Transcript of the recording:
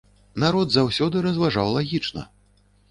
Народ заўсёды разважаў лагічна.